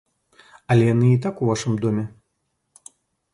Але яны і так у вашым доме.